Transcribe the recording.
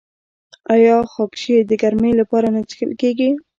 آیا خاکشیر د ګرمۍ لپاره نه څښل کیږي؟